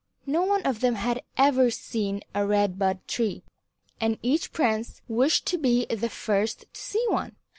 No one of them had ever seen a Red Bud Tree, and each prince wished to be the first to see one.